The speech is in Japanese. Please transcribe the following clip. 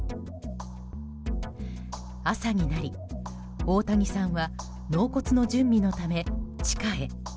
朝になり、大谷さんは納骨の準備のため地下へ。